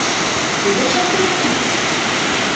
Кӧ деч аптыранет?